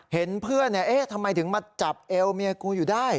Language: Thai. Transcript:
เห็นเพื่อนทำไมถึงมาจับเอวเมียกูอยู่ได้